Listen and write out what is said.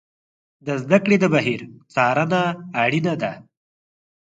د زده کړې د بهیر څارنه اړینه ده.